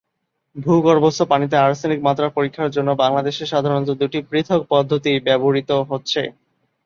ভূগর্ভস্থ পানিতে আর্সেনিক মাত্রা পরীক্ষার জন্য বাংলাদেশে সাধারণত দুটি পৃথক পদ্ধতি ব্যবহূত হচ্ছে।